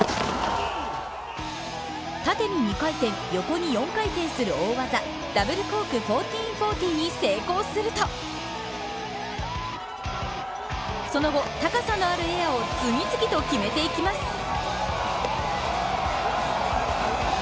縦に２回転横に４回転する大技ダブルコーク１４４０に成功するとその後、高さのあるエアを次々と決めていきます。